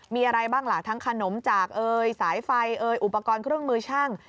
มีอะไรบ้างล่ะทั้งขนมจากเอ่ยสายไฟเอ่ยอุปกรณ์เครื่องมือช่าง